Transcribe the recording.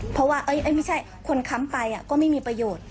เพราะว่าไม่ใช่คนค้ำไปก็ไม่มีประโยชน์